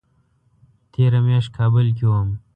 تېره میاشت کابل کې وم